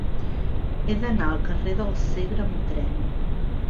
He d'anar al carrer del Segre amb tren.